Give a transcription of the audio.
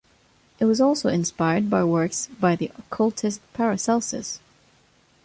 It was also inspired by works by the occultist Paracelsus.